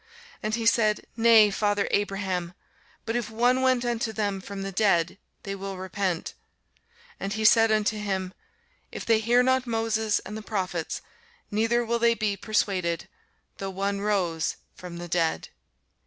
And he said, Nay, father Abraham: but if one went unto them from the dead, they will repent. And he said unto him, If they hear not Moses and the prophets, neither will they be persuaded, though one rose from the dead.